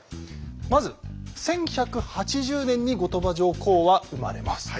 まず１１８０年に後鳥羽上皇は生まれます。